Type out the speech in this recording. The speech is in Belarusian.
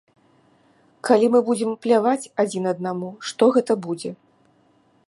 Калі мы будзем пляваць адзін аднаму, што гэта будзе.